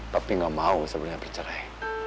tapi gak mau sebenarnya bercerai